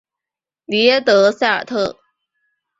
里耶德塞尔特。